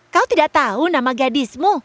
kau tidak tahu nama gadismu